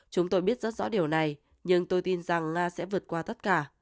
chúng tôi biết rất rõ điều này nhưng tôi tin rằng nga sẽ vượt qua tất cả